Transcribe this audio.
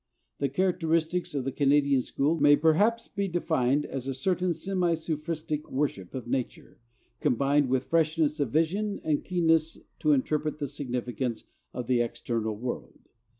The characteristics of the Canadian school may perhaps be defined as a certain semi Sufristic worship of nature, combined with freshness of vision and keenness to interpret the significance of the external world.